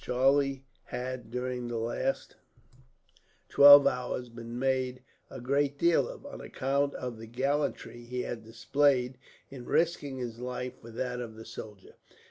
Charlie had, during the last twelve hours, been made a great deal of, on account of the gallantry he had displayed in risking his life for that of the soldier.